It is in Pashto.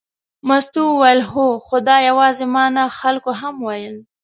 مستو وویل هو، خو دا یوازې ما نه خلکو هم ویل.